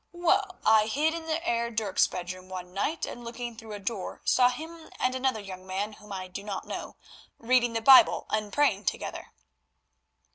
"Well, I hid in the Heer Dirk's bedroom one night, and looking through a door saw him and another young man, whom I do not know, reading the Bible, and praying together."